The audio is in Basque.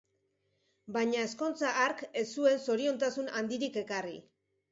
Baina ezkontza hark ez zuen zoriontasun handirik ekarri.